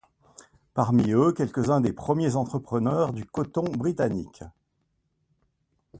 Parmi eux, quelques-uns des premiers entrepreneurs du coton britannique.